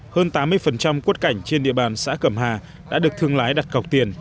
hơn tám mươi quất cảnh trên địa bàn xã cẩm hà đã được thương lái đặt cọc tiền